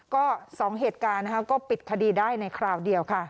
ก็๒เหตุการณ์ก็ปิดคดีได้ในคราวเดียวค่ะ